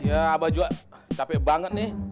ya abah juga capek banget nih